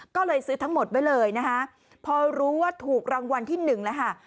ก็เลยซื้อทั้งหมดไว้เลยนะคะพอรู้ว่าถูกรางวัลที่หนึ่งแล้วค่ะ